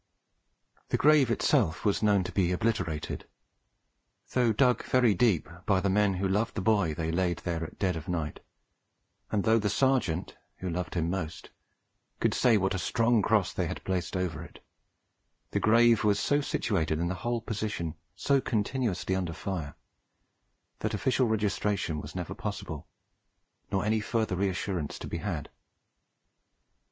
The grave itself was known to be obliterated. Though dug very deep by men who loved the boy they laid there at dead of night, and though the Sergeant (who loved him most) could say what a strong cross they had placed over it, the grave was so situated, and the whole position so continuously under fire, that official registration was never possible, nor any further reassurance to be had.